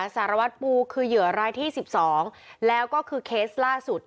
สารวัตรปูคือเหยื่อรายที่๑๒แล้วก็คือเคสล่าสุด